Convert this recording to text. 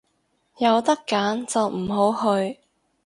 有得揀就唔好去